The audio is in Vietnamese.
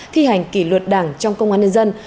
thi hành kỷ luật đảng trong công an nhân dân